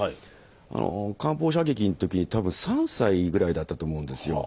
あの艦砲射撃の時に多分３歳ぐらいだったと思うんですよ。